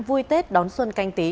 vui tết đón xuân canh tí